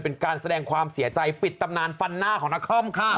เป็นการแสดงความเสียใจปิดตำนานฟันหน้าของนครค่ะ